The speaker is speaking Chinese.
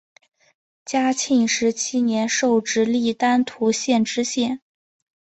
嘉靖十七年授直隶丹徒县知县。